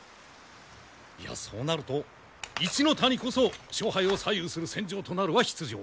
いやそうなると一ノ谷こそ勝敗を左右する戦場となるは必定。